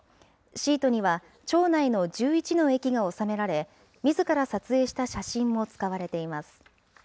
シートには町内の１１の駅が収められ、みずから撮影した写真も使われています。